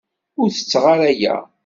Ur tetteɣ ara aya.